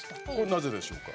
なぜでしょうか？